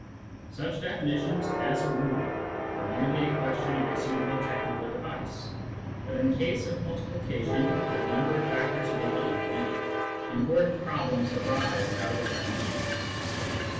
Such definitions, as a rule, are merely a question of a suitable technical device. But in the case of multiplication, where the number of factors may be infinite, important problems arise out of the definition.